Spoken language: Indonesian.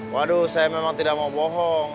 waduh saya memang tidak mau bohong